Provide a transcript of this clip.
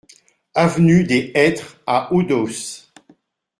Avenue des Hêtres à Odos